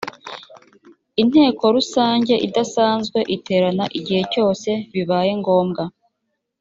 inteko rusange idasanzwe iterana igihe cyose bibaye ngombwa